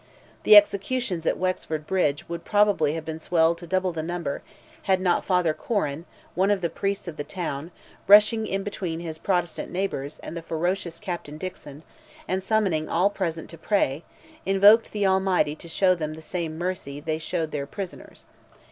The executions at Wexford bridge would probably have been swelled to double the number, had not Father Corrin, one of the priests of the town, rushing in between his Protestant neighbours and the ferocious Captain Dixon, and summoning all present to pray, invoked the Almighty "to show them the same mercy" they showed their prisoners.